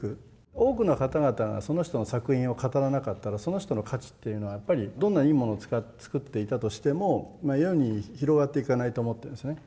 多くの方々がその人の作品を語らなかったらその人の価値っていうのはやっぱりどんないいものを作っていたとしても世に広がっていかないと思ってるんですね。